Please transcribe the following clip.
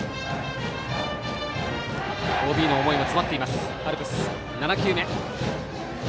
ＯＢの思いも詰まっていますアルプス。